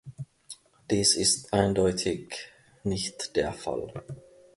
Dies ist eindeutig nicht der Fall.